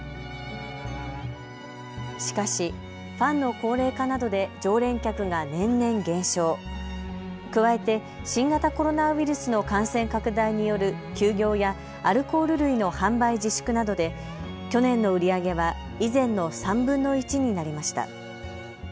しかしファンの高齢化などで常連客が年々減少、加えて新型コロナウイルスの感染拡大による休業やアルコール類の販売自粛などで去年の売り上げは以前の３分の１になりました。